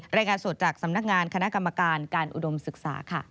รายงานสดจากสำนักงานคณะกรรมการการอุดมศึกษาค่ะ